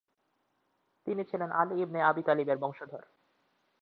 তিনি ছিলেন Ali ibn Abi তালিবের বংশধর ।